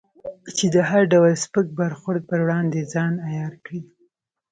چې د هر ډول سپک برخورد پر وړاندې ځان عیار کړې.